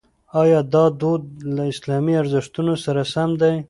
ایا دا دود له اسلامي ارزښتونو سره سم دی؟